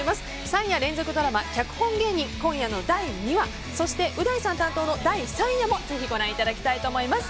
「三夜連続ドラマ脚本芸人」今夜の第２話そしてう大さん担当の第３夜もぜひご覧いただきたいと思います。